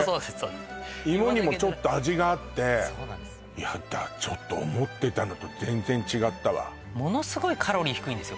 イモにもちょっと味があってヤダちょっと思ってたのと全然違ったわんですよ